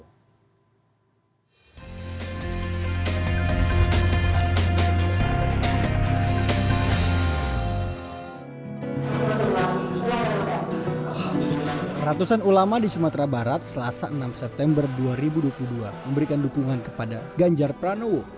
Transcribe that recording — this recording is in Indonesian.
ratusan ulama di sumatera barat selasa enam september dua ribu dua puluh dua memberikan dukungan kepada ganjar pranowo